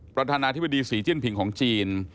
ประธานาธิบดีศรีจิ้นผิงของจีน